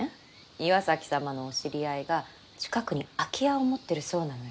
岩崎様のお知り合いが近くに空き家を持ってるそうなのよ。